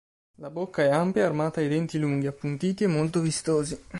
La bocca è ampia e armata di denti lunghi, appuntiti e molto vistosi.